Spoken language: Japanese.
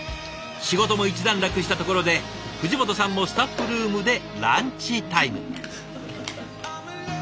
仕事も一段落したところで藤本さんもスタッフルームでランチタイム。